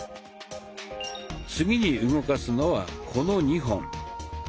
次に動かすのはこの２本。